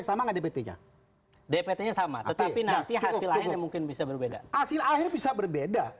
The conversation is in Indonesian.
dpt nya sama tetapi nanti hasil akhirnya mungkin bisa berbeda